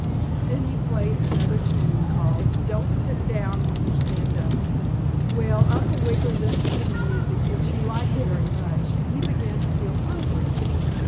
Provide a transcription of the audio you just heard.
Then he played another tune called, "Don't Sit Down When You Stand Up." Well, Uncle Wiggily listened to the music, which he liked very much, and he began to feel hungry.